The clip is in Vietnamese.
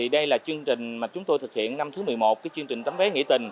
đây là chương trình mà chúng tôi thực hiện năm thứ một mươi một chương trình tấm vé nghỉ tình